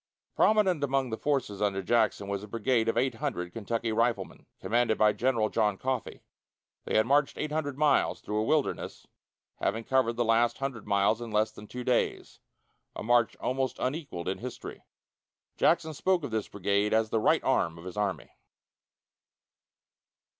Prominent among the forces under Jackson was a brigade of eight hundred Kentucky riflemen, commanded by General John Coffee. They had marched eight hundred miles through a wilderness, having covered the last hundred miles in less than two days a march almost unequalled in history. Jackson spoke of this brigade as the right arm of his army.